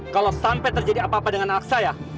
kalau sampai terjadi apa apa dengan anak saya